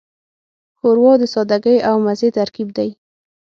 ښوروا د سادګۍ او مزې ترکیب دی.